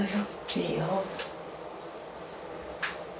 いいよ。